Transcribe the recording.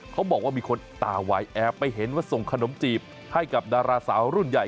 เขาบอกว่ามีคนตาไหวแอบไปเห็นว่าส่งขนมจีบให้กับดาราสาวรุ่นใหญ่